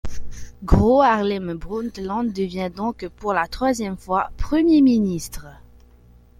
Gro Harlem Brundtland devient donc pour la troisième fois premier ministre.